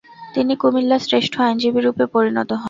তিনি কুমিল্লার শ্রেষ্ঠ আইনজীবীরূপে পরিনত হন।